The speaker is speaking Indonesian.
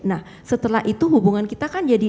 nah setelah itu hubungan kita kan jadi